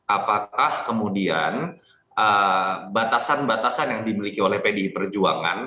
apakah kemudian batasan batasan yang dimiliki oleh pdi perjuangan